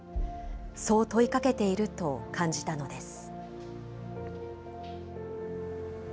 そう問いかけていると感じたのです。